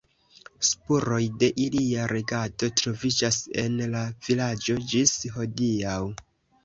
Spuroj de ilia regado troviĝas en la vilaĝo ĝis hodiaŭ.